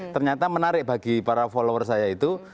ternyata menarik bagi para follower saya itu